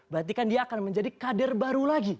berarti kan dia akan menjadi kader baru lagi